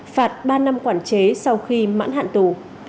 phạt ba năm quản chế sau khi mãn hạn tù